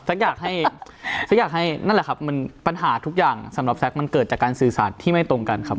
อยากให้แซคอยากให้นั่นแหละครับมันปัญหาทุกอย่างสำหรับแซคมันเกิดจากการสื่อสารที่ไม่ตรงกันครับ